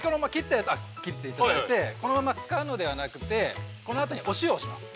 切っていただいてこのまま使うのではなくてこのあとにお塩をします。